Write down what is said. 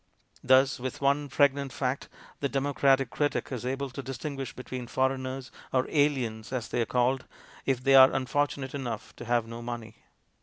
Thus with one pregnant fact the democratic critic is able to distinguish between foreigners, or aliens, as they are called, if they are unfortunate enough to have no money.